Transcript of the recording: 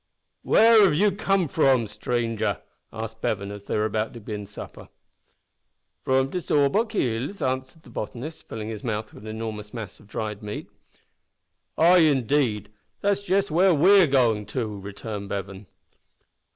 "Where have you come from, stranger?" asked Bevan, as they were about to begin supper. "From de Sawbuk Hills," answered the botanist, filling his mouth with an enormous mass of dried meat. "Ay, indeed! That's just where we are goin' to," returned Bevan.